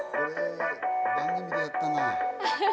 番組でやったな。